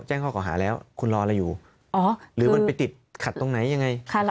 แจ้งข้อเก่าหาแล้วคุณรออะไรอยู่หรือมันไปติดขัดตรงไหนยังไง